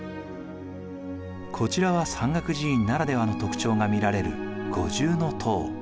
こちらは山岳寺院ならではの特徴が見られる五重塔。